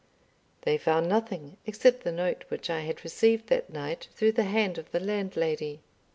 They found nothing except the note which I had received that night through the hand of the landlady.